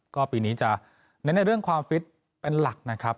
ก็ปีนี้จะเน้นในเรื่องความฟิตเป็นหลักนะครับ